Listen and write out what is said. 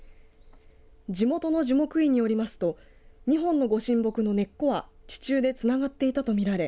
地元の樹木医によりますと２本のご神木の根っこは地中で繋がっていたと見られ